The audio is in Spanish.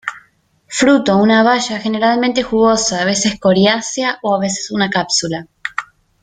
Fruto una baya generalmente jugosa a algo coriácea o a veces una cápsula.